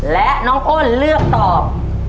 และน้องอ้นเลือกตอบ